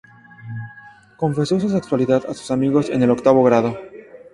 Confesó su sexualidad a sus amigos en el octavo grado.